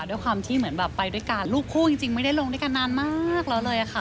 ด้วยความที่เหมือนแบบไปด้วยกันลูกคู่จริงไม่ได้ลงด้วยกันนานมากแล้วเลยค่ะ